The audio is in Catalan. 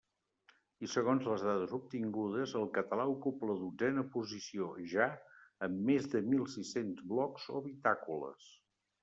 I, segons les dades obtingudes, el català ocupa la dotzena posició, ja, amb més de mil sis-cents blogs o bitàcoles.